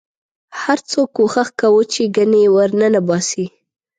هر څوک کوښښ کاوه چې ګنې ورننه باسي.